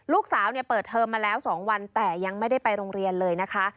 ลูกสาวเนี่ยเปิดเทอมมาแล้ว๒วันแต่ยังไม่ได้ไปโรงเรียนเลยนะคะ